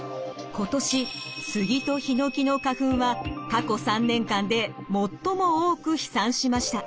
今年スギとヒノキの花粉は過去３年間で最も多く飛散しました。